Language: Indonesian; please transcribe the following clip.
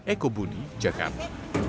eko buni jakarta